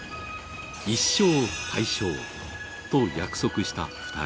一生対象と約束した２人。